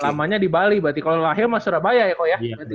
oh lamanya di bali berarti kalau lahir sama surabaya ya kok ya berarti ya